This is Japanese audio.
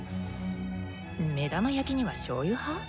目玉焼きにはしょうゆ派？